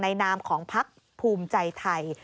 นามของพักภูมิใจไทย